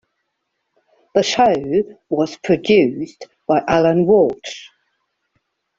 The show was produced by Alan Walsh.